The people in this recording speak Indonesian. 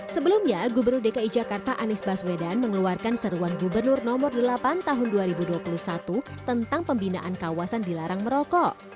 sebelumnya gubernur dki jakarta anies baswedan mengeluarkan seruan gubernur nomor delapan tahun dua ribu dua puluh satu tentang pembinaan kawasan dilarang merokok